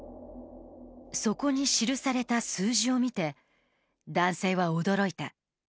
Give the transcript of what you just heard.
そこに記された数字を見て、男性は驚いた。